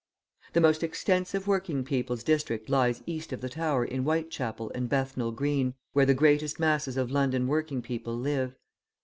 The most extensive working people's district lies east of the Tower in Whitechapel and Bethnal Green, where the greatest masses of London working people live.